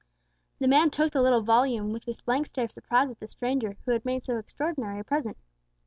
The man took the little volume with a blank stare of surprise at the stranger who had made so extraordinary a present.